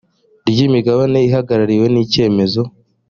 ry imigabane ihagarariwe n icyemezo